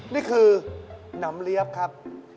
นี่คือหนำเลี้ยบครับ